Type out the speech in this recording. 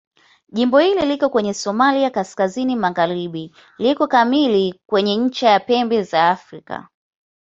Jimbo hili liko kwenye Somalia kaskazini-mashariki liko kamili kwenye ncha ya Pembe la Afrika.